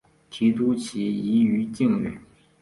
提督旗移于靖远。